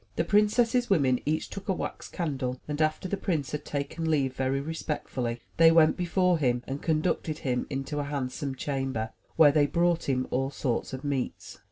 The princess's women each took a wax candle and after the prince had taken leave very respectfully, they went before him and conducted him into a handsome chamber, where they brought him all sorts of meats.